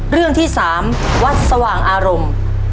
เรื่องที่๓วัดสว่างอารมณ์